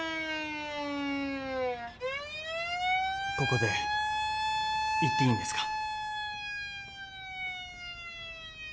☎ここで言っていいんですか？